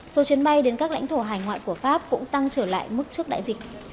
số chuyến bay đến các lãnh thổ hải ngoại của pháp cũng tăng trở lại mức trước đại dịch